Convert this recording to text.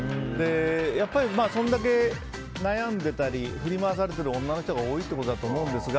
やっぱり、それだけ悩んでたり振り回されてる女の人が多いんだと思うんですが